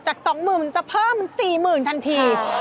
จาก๒๐๐๐๐บาทจะเพิ่ม๔๐๐๐๐บาททันที